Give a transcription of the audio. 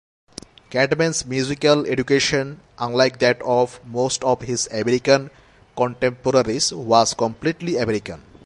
Cadman's musical education, unlike that of most of his American contemporaries, was completely American.